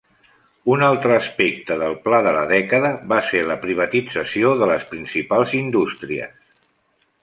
Un altre aspecte del pla de la dècada va ser la privatització de les principals indústries.